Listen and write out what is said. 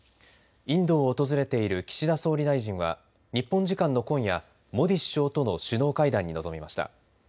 インドを訪れている岸田総理大臣は日本時間の今夜モディ首相との首脳会談に臨みました。